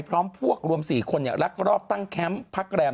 พร้อมพวกรวม๔คนรักรอบตั้งแคมป์พักแรม